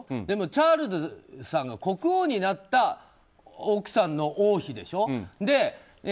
でもチャールズさんが国王になった奥さんの王妃でしょ。